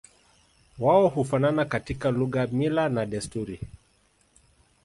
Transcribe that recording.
Wao hufanana katika lugha mila na desturi